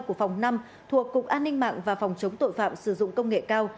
của phòng năm thuộc cục an ninh mạng và phòng chống tội phạm sử dụng công nghệ cao